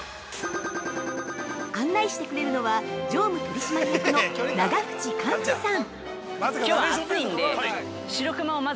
案内してくれるのは常務取締役の永渕寛司さん。